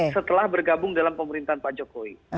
setelah bergabung dalam pemerintahan pak jokowi